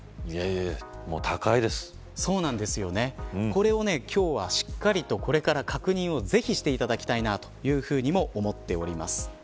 これを今日はしっかりと確認していただきたいというふうに思っております。